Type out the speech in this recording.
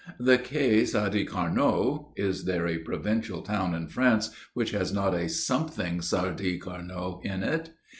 The Quai Sadi Carnot (is there a provincial town in France which has not a something Sadi Carnot in it?)